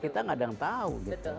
kita kadang tahu gitu